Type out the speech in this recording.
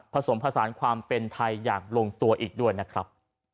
ผสมผสานความเป็นไทยอย่างลงตัวอีกด้วยนะครับ